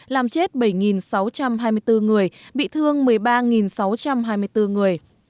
làm chết bảy sáu trăm hai mươi bốn người bị thương một mươi ba sáu trăm hai mươi bốn người